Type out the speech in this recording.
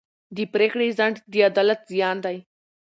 د پرېکړې ځنډ د عدالت زیان دی.